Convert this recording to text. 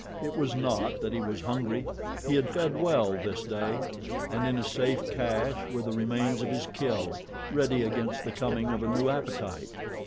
It was not that he was hungry he had fed well this day, and in a safe cache were the remains of his kill, ready against the coming of a new appetite.